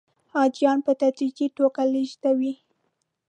حاجیان په تدریجي توګه لېږدوي.